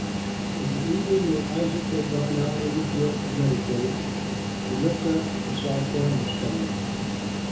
In the evening, when Isaac had gone out in the field to meditate, he looked up and saw camels coming.